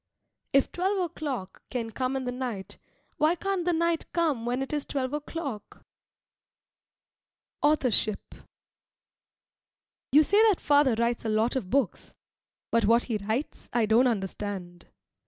If twelve o'clock can come in the night, why can't the night come when it is twelve o'clock? AUTHORSHIP You say that father writes a lot of books, but what he writes I don't understand.